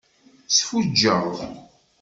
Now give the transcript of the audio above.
Sfuǧǧeɣ.